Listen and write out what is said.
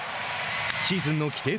シーズンの規定